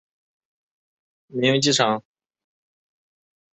承德普宁机场是一个位于中国河北省承德市的民用机场。